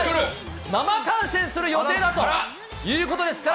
試合を生観戦する予定だということですから。